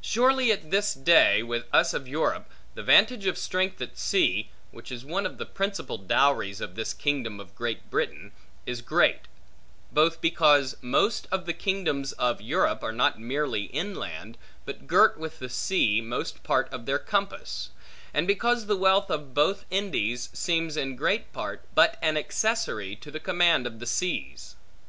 Surely, at this day, with us of Europe, the vantage of strength at sea (which is one of the principal dowries of this kingdom of Great Britain) is great; both because most of the kingdoms of Europe, are not merely inland, but girt with the sea most part of their compass; and because the wealth of both Indies seems in great part, but an accessory to the command of the seas.